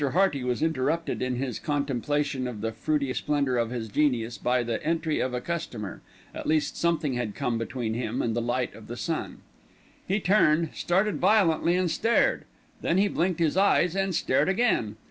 Hearty was interrupted in his contemplation of the fruity splendour of his genius by the entry of a customer, at least something had come between him and the light of the sun. He turned, started violently and stared. Then he blinked his eyes and stared again.